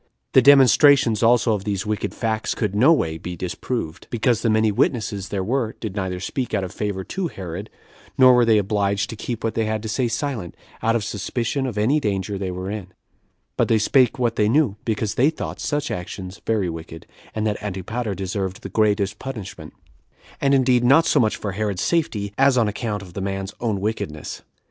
The demonstrations also of these wicked facts could no way be disproved, because the many witnesses there were did neither speak out of favor to Herod, nor were they obliged to keep what they had to say silent, out of suspicion of any danger they were in; but they spake what they knew, because they thought such actions very wicked, and that Antipater deserved the greatest punishment; and indeed not so much for Herod's safety, as on account of the man's own wickedness.